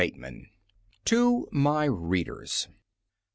1901. TO MY READERS.